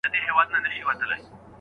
قربانۍ ته ساده ګان له حده تېر وي.